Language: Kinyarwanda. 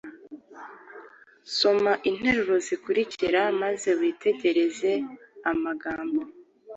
Soma interuro zikurikira maze witegereze amagambo